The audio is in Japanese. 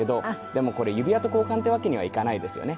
でもこれ指輪と交換っていうわけにはいかないですよね？